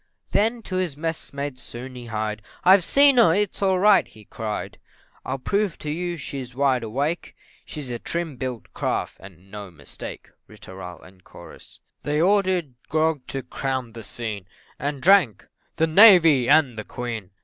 Then to his messmates soon he hied, "I've seen her it's all right," he cried, "I'll prove to you she's wide awake She's a trim built craft, and no mistake." Ri tooral, &c. They ordered grog to crown the scene, And drank "The Navy and the Queen!"